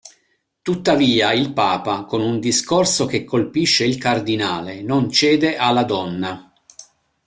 Tuttavia il papa con un discorso che colpisce il cardinale, non cede alla donna.